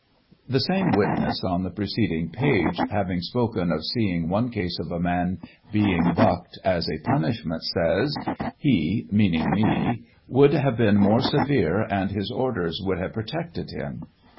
The same witness, on the preceding page, having spoken of seeing one case of a man being backed as a punishment, says : He (meaning me) would have been more severe and his orders would have protected him.